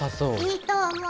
いいと思う。